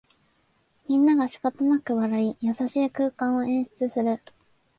みんながしかたなく笑い、優しい空間を演出する